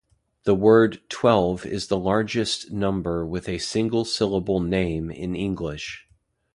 The word "twelve" is the largest number with a single-syllable name in English.